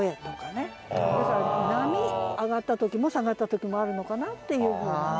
だから波上がった時も下がった時もあるのかなっていうふうな。